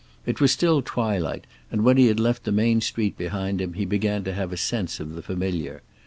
It was still twilight, and when he had left the main street behind him he began to have a sense of the familiar.